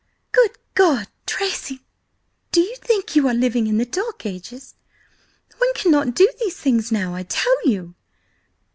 "Good God, Tracy! do you think you are living in the Dark Ages? One cannot do these things now, I tell you!